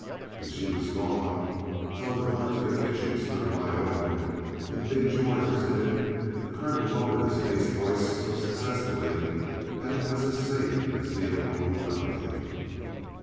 When she was gone, though the door to the kitchen stood wide open, and big George was in it, the colonel lowered his bass voice so successfully that it was as safe as being alone with Donnegan.